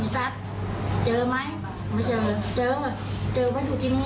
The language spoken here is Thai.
แฝดเขาบอกว่านี่ไหนหน้าแชยไปไหนหน้า